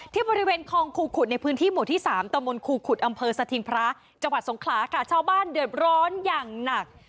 ที่บริเวณคลองครูขุดในพื้นที่หมู่ที่๓ตมครูขุดอำเภอสถิงพระจังหวัดสงขลาค่ะชาวบ้านเดือดร้อนอย่างหนัก